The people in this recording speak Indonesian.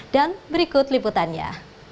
dan berikut liputannya